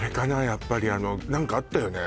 やっぱりあの何かあったよね